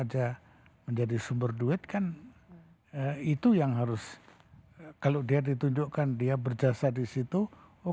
kalau dia bisa saja menjadi sumber duit kan itu yang harus kalau dia ditunjukkan dia berjasa di situ oke